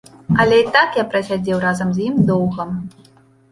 Але і так я прасядзеў разам з ім доўга.